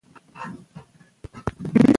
په مورنۍ ژبه پوهېدل د اړیکو لپاره اسانتیا ده.